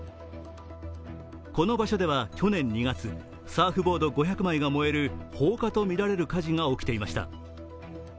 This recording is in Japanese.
この場所では去年２月、サーフボード５００枚が燃える放火とみられる火事が起きていました。